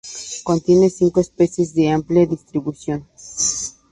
Contiene cinco especies de amplia distribución.